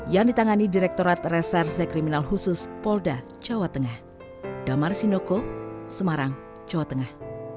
yang ditangani direktorat reserse kriminal khusus polda jawa tengah